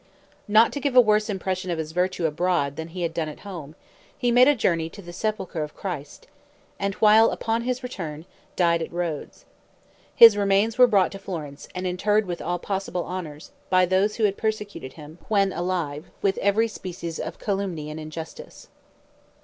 Not to give a worse impression of his virtue abroad than he had done at home, he made a journey to the sepulcher of Christ, and while upon his return, died at Rhodes. His remains were brought to Florence, and interred with all possible honors, by those who had persecuted him, when alive, with every species of calumny and injustice.